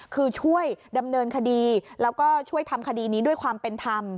คือช่วยดำเนินคดีแล้วก็ช่วยทำคดีนี้ด้วยความเป็นธรรม